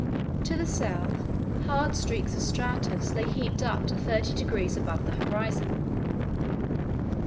To the south hard streaks of stratus lay heaped up to 30 degrees above the horizon....